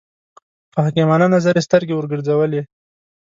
په حکیمانه نظر یې سترګې وګرځولې.